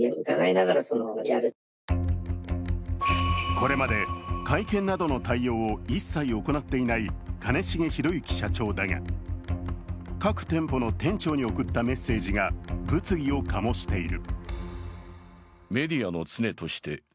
これまで会見などの対応を一切行っていない兼重宏行社長だが各店舗の店長に送ったメッセージが物議を醸している。